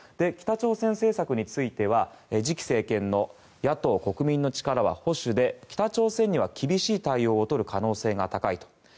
北朝鮮政策については次期政権の野党・国民の力は保守で北朝鮮には厳しい対応を取る可能性が高いと。